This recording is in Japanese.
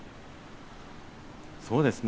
そうですね。